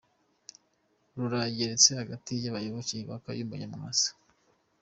Rurageretse hagati y’abayoboke ba kayumba nyamwasa